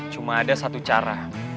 cuma ada satu cara